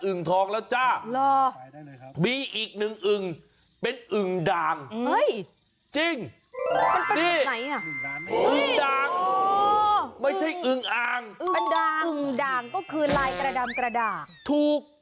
อึงด่างไม่ใช่อึงอ่างอึงด่างก็คือลายกระดำกระด่างถูก